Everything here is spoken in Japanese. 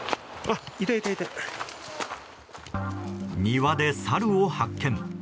庭でサルを発見。